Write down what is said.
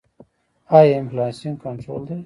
آیا انفلاسیون کنټرول دی؟